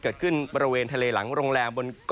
เกิดขึ้นบริเวณทะเลหลังโรงแรมบนเกาะ